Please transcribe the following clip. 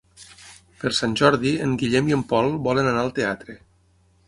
Per Sant Jordi en Guillem i en Pol volen anar al teatre.